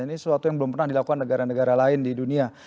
ini sesuatu yang belum pernah dilakukan negara negara lain di dunia